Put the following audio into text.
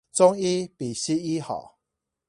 中醫比西醫好